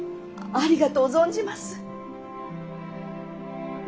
ありがとう存じます。